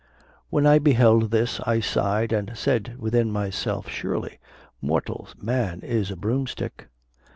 When I beheld this, I sighed and said within myself, Surely, mortal man is a broomstick!